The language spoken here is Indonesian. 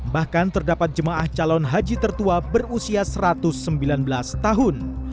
bahkan terdapat jemaah calon haji tertua berusia satu ratus sembilan belas tahun